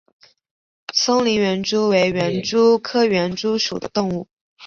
松林园蛛为园蛛科园蛛属的动物。